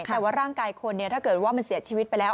แต่ว่าร่างกายคนถ้าเกิดว่ามันเสียชีวิตไปแล้ว